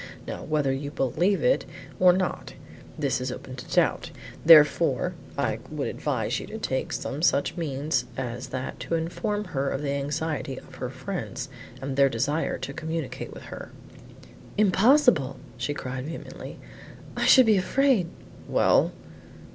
Now whether you believe it or not this is open to doubt; therefore I would advise that you take some such means as that to inform her of the anxiety of her friends and their desire to communicate with her." "Impossible," she cried vehemently. "I should be afraid " "Well?"